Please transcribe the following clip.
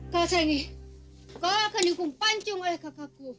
kau akan dihukum pancung oleh kakakku